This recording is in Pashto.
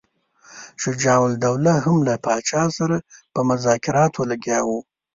شجاع الدوله هم له پاچا سره په مذاکراتو لګیا وو.